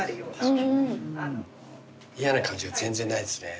嫌な感じが全然ないですね。